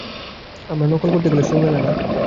আমরা নকল করতে গেলে সুর মেলে না।